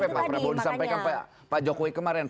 apa yang pak prabowo disampaikan pak jokowi kemarin